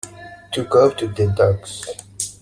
To go to the dogs.